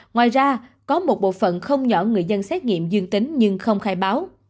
ngoài ra có một bộ phận không nhỏ người dân xét nghiệm dương tính nhưng không khai báo